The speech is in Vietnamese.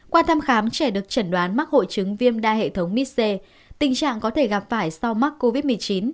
qua thăm khám trẻ được chẩn đoán mắc hội chứng viêm đa hệ thống misse tình trạng có thể gặp phải sau mắc covid một mươi chín